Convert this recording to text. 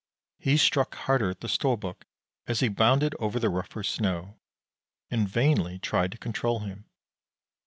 He struck harder at the Storbuk as he bounded over the rougher snow, and vainly tried to control him.